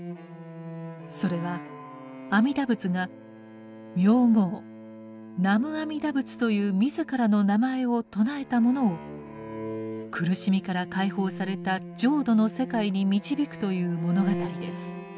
それは阿弥陀仏が名号「南無阿弥陀仏」という自らの名前を称えた者を苦しみから解放された浄土の世界に導くという物語です。